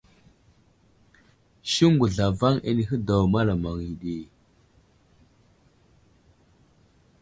Siŋgu zlavaŋ anəhi daw malamaŋ yo ɗi.